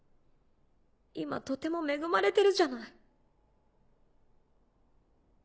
今とても恵まれてるじゃない。